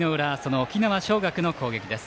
５回の裏沖縄尚学の攻撃です。